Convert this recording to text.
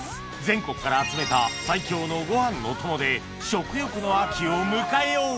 全国から集めた最強のご飯の友で食欲の秋を迎えよう！